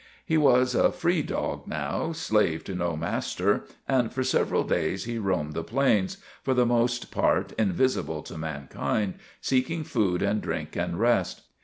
He was a free dog now, slave to no master, and for several days he roamed the Plains, for the most part invisible to mankind, seeking food and drink and rest.